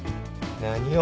何を！？